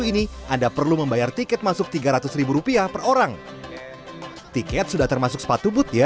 ini anda perlu membayar tiket masuk tiga ratus rupiah per orang tiket sudah termasuk sepatu boot ya